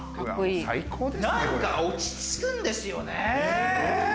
何か落ち着くんですよね。